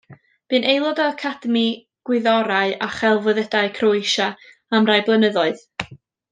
Bu'n aelod o Academi Gwyddorau a Chelfyddydau Croasia am rai blynyddoedd.